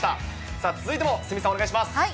さあ、続いても、鷲見さんお願いします。